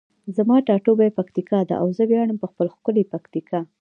زما ټاټوبی پکتیکا ده او زه ویاړمه په خپله ښکلي پکتیکا.